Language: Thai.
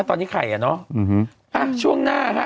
ตอนนี้ไข่แล้วเนาะ